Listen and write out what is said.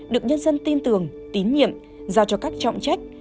được nhân dân tin tưởng tín nhiệm giao cho các trọng trách